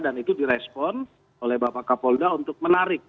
dan itu direspon oleh bapak kapolda untuk menarik